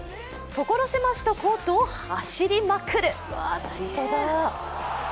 所狭しとコートを走りまくる。